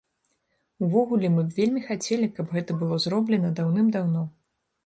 Увогуле, мы б вельмі хацелі, каб гэта было зроблена даўным-даўно.